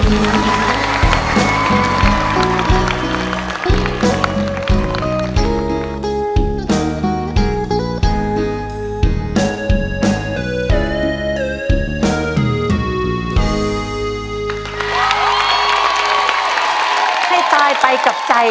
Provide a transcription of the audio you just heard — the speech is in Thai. ขอเก็บพักนี้ให้ตายไปกับใจ